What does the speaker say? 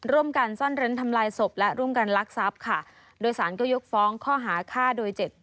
ร่วมกันซ่อนเร้นทำลายศพและร่วมกันลักทรัพย์ค่ะโดยสารก็ยกฟ้องข้อหาฆ่าโดยเจ็ด